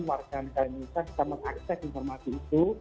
warga negara indonesia bisa mengakses informasi itu